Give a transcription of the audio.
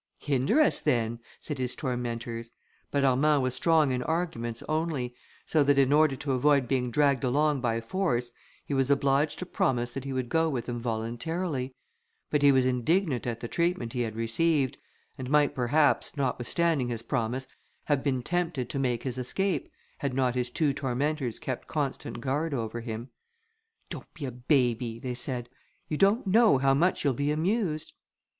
"Hinder us, then," said his tormentors; but Armand was strong in arguments only, so that in order to avoid being dragged along by force, he was obliged to promise that he would go with them voluntarily; but he was indignant at the treatment he had received, and might perhaps, notwithstanding his promise, have been tempted to make his escape, had not his two tormentors kept constant guard over him, "Don't be a baby," they said, "you don't know how much you'll be amused."